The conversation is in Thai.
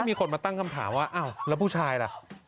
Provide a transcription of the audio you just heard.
มีคนมาตั้งคำถามว่าอ้าวแล้วผู้ชายล่ะ